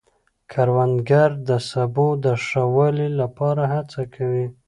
کروندګر د سبو د ښه والي لپاره هڅې کوي